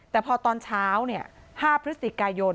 แต่พอตอนเช้า๕พฤศจิกายน